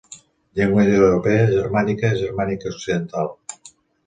Llengua indoeuropea, germànica, germànica occidental.